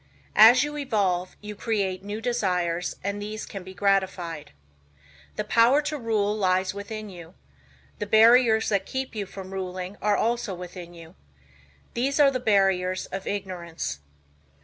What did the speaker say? As you evolve, you create new desires and these can be gratified. The power to rule lies within you. The barriers that keep you from ruling are also within you. These are the barriers of ignorance.